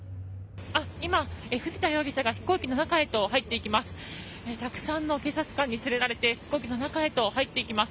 今、藤田容疑者が飛行機の中へと入っていきます。